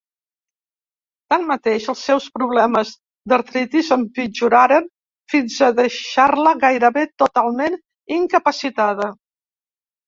Tanmateix, els seus problemes d'artritis empitjoraren fins a deixar-la gairebé totalment incapacitada.